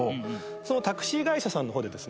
そのタクシー会社さんの方でですね